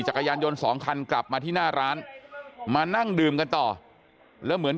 จักรยานยนต์สองคันกลับมาที่หน้าร้านมานั่งดื่มกันต่อแล้วเหมือน